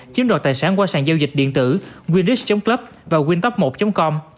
chiếm đoạt tài sản qua sàng giao dịch điện tử winric club và wintop một com